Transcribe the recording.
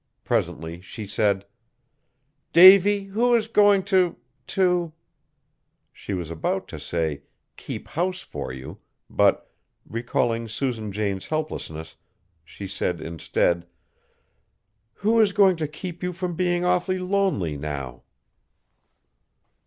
Presently she said: "Davy, who is going to to " She was about to say, "keep house for you," but, recalling Susan Jane's helplessness, she said instead, "who is going to keep you from being awfully lonely, now?"